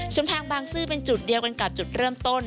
ทางบางซื่อเป็นจุดเดียวกันกับจุดเริ่มต้น